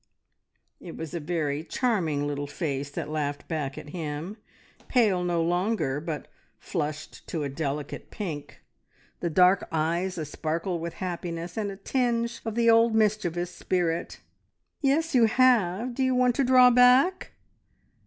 It was a very charming little face that laughed back at him, pale no longer, but flushed to a delicate pink, the dark eyes a sparkle with happiness, and a tinge of the old mischievous spirit. "Yes, you have! Do you want to draw back?"